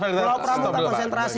pulau pramuka konsentrasi